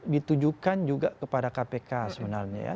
ditujukan juga kepada kpk sebenarnya ya